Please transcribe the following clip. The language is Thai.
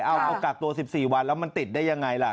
เอาพอกักตัว๑๔วันแล้วมันติดได้ยังไงล่ะ